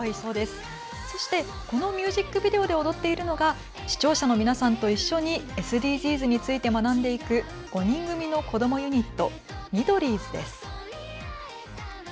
そしてこのミュージックビデオで踊っているのが視聴者の皆さんと一緒にＳＤＧｓについて学んでいく５人組のこどもユニットミドリーズです。